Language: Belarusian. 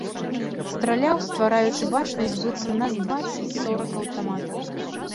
Страляў, ствараючы бачнасць быццам у нас дваццаць-сорак аўтаматаў.